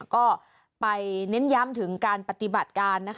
ก็ไปเน้นย้ำถึงการปฏิบัติการ